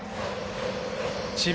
智弁